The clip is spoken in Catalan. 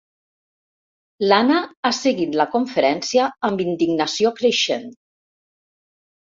L'Anna ha seguit la conferència amb indignació creixent.